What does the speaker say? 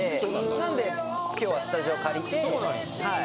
なんで今日はスタジオ借りてはい。